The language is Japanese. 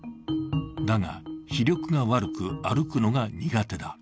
だが、視力が悪く、歩くのが苦手だ。